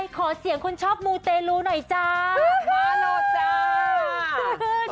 ขอเสียงคนชอบมูเตลูหน่อยจ้ามาเลยจ้า